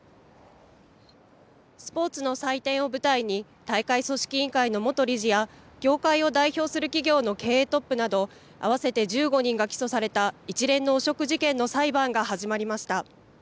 スポーツの祭典を舞台に大会組織委員会の元理事や業界を代表する企業の経営トップなど合わせて１５人が起訴された一連の汚職事件の裁判が始まりました。